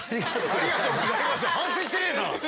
反省してねえな！